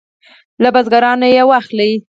له بزګرانو یې واخلي.